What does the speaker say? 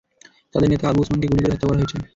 তাদের নেতা আবু উসমানকে গুলি করে হত্যা করা হয়েছে।